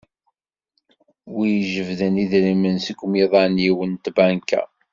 Wi ijebden idrimen seg umiḍan-iw n tbanka?